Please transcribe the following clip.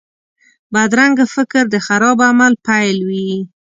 بدرنګه فکر د خراب عمل پیل وي